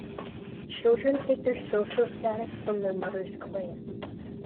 Children take their social status from their mother's clan.